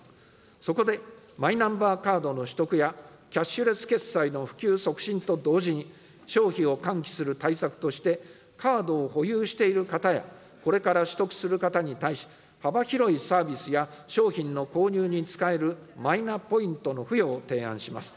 そこでマイナンバーカードの取得やキャッシュレス決済の普及促進と同時に、消費を喚起する対策として、カードを保有している方や、これから取得する方に対し、幅広いサービスや商品の購入に使えるマイナポイントの付与を提案します。